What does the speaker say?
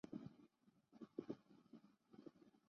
央街在多伦多有着重要的影响。